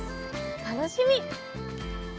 楽しみ！